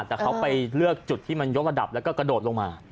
แต่เขาไปเลือกจุดที่มันยกระดับแล้วก็กระโดดลงมา